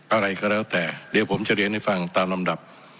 อะไรก็แล้วแต่เดี๋ยวผมจะเรียนให้ฟังตามลำดับ